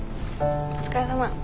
お疲れさま。